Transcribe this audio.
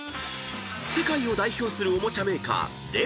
［世界を代表するおもちゃメーカー］